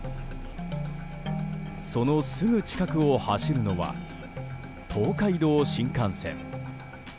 そのすぐ近くを走るのは東海道新幹線。